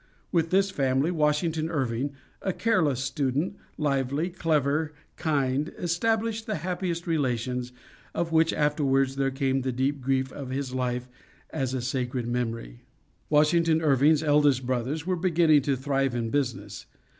With this family Washington Irving, a careless student, lively, clever, kind, established the happiest relations, of which afterwards there came the deep grief of his life and a sacred memory. Washington Irving's eldest brothers were beginning to thrive in business.